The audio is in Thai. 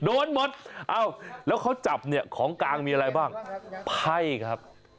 โอ้เนี่ยค่ะของกลางขนาดนี้ค่ะ